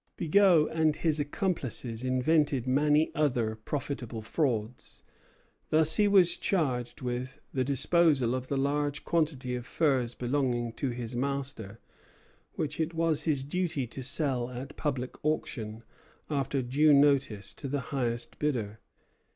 Bigot and his accomplices invented many other profitable frauds. Thus he was charged with the disposal of the large quantity of furs belonging to his master, which it was his duty to sell at public auction, after due notice, to the highest bidder.